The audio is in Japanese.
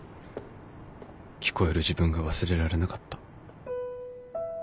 聞こえる自分が忘れられなかった